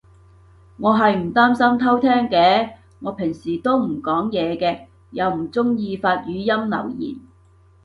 我係唔擔心偷聼嘅，我平時都唔講嘢嘅。又唔中意發語音留言